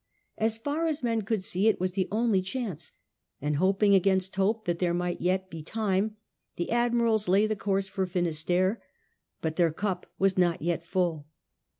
As far as men could see it was the only chance ; and hoping against hope that there might yet be time, the Admirals lay the course for Finisterre. But their cup was not yet full.